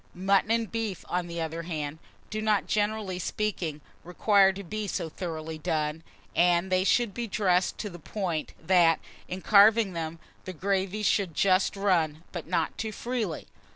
MUTTON AND BEEF, on the other hand, do not, generally speaking, require to be so thoroughly done, and they should be dressed to the point, that, in carving them, the gravy should just run, but not too freely.